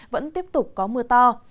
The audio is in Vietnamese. vẫn tiếp tục có mưa to